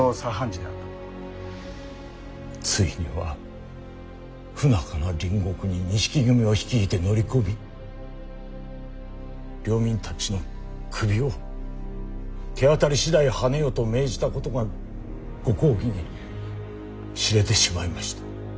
ついには不仲な隣国に錦組を率いて乗り込み「領民たちの首を手当たりしだいはねよ」と命じたことがご公儀に知れてしまいました。